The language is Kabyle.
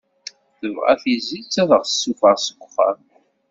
Tebɣa tizit ad aɣ-tessufeɣ seg uxxam.